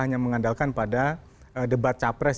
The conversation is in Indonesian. hanya mengandalkan pada debat capres